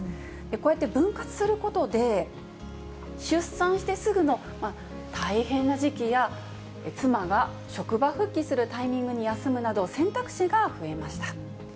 こうやって分割することで、出産してすぐの大変な時期や、妻が職場復帰するタイミングに休むなど、選択肢が増えました。